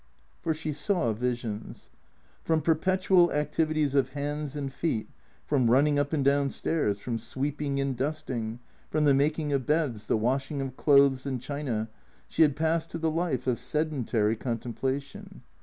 For she saw visions. From perpetual activities of hands and feet, from running up and down stairs, from sweeping and dust ing, from the making of beds, the washing of clothes and china, she had passed to the life of sedentary contemplation.